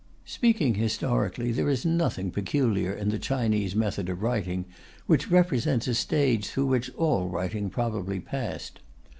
Speaking historically, there is nothing peculiar in the Chinese method of writing, which represents a stage through which all writing probably passed.